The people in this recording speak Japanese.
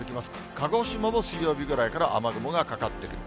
鹿児島も水曜日ぐらいから雨雲がかかってくる。